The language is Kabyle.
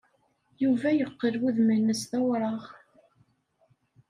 Yuba yeqqel wudem-nnes d awraɣ.